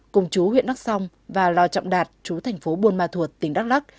cùng chú huyện đắc song và lò trọng đạt chú thành phố buôn ma thuột tỉnh đắk lắc